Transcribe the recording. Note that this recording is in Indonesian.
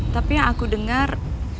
tapi yang aku dengar